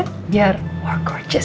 sampai jumpa di video selanjutnya